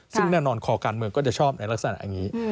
ซึ่งแน่นอนคอการเมืองก็จะชอบในลักษณะอย่างนี้